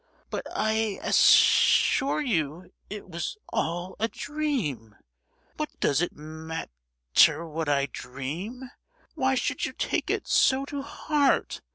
But I as—sure you it was all a dream,—what does it mat—ter what I dream? Why should you take it so to heart?